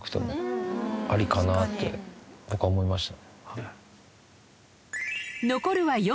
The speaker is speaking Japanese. ありかなって僕は思いました。